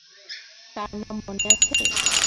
তার নাম মনে আছে?